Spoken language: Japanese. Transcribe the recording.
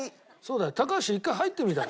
高橋１回入ってみたら？